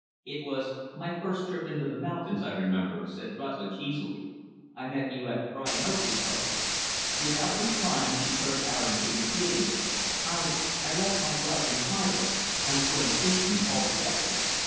"It was my first trip into the mountains, I remember," said Rutlidge, easily. "I met you at Brian Oakley's home." Without replying, she turned to Aaron King appealingly. "I I left my gloves and fly book. I was going fishing and called to get them."